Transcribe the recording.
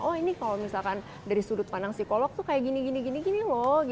oh ini kalau misalkan dari sudut pandang psikolog tuh kayak gini gini loh